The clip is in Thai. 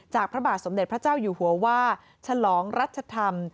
พระบาทสมเด็จพระเจ้าอยู่หัวว่าฉลองรัชธรรม